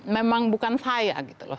memang bukan saya gitu loh